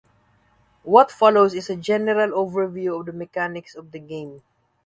What follows is a general overview of the mechanics of the game.